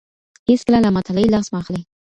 هيڅکله له مطالعې لاس مه اخلئ.